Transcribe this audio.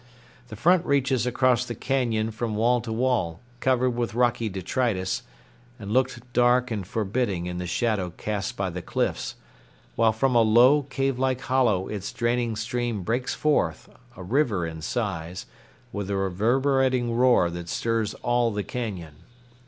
The front reaches across the cañon from wall to wall, covered with rocky detritus, and looked dark and forbidding in the shadow cast by the cliffs, while from a low, cavelike hollow its draining stream breaks forth, a river in size, with a reverberating roar that stirs all the cañon.